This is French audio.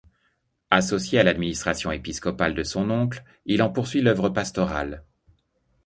Associé à l’administration épiscopale de son oncle, il en poursuit l’œuvre pastorale.